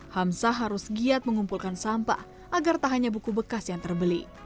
hamsah harus giat mengumpulkan sampah agar tak hanya buku bekas yang terbeli